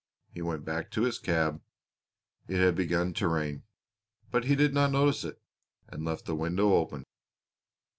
He went back to his cab. It had begun to rain, but he did not notice it, and left the window open.